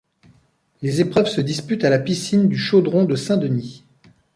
Les épreuves se disputent à la piscine du Chaudron de Saint-Denis.